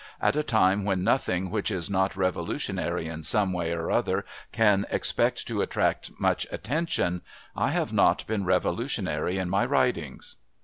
At a time when nothing which is not revolutionary in some way or other can expect to attract much attention I have not been revolutionary in my writings."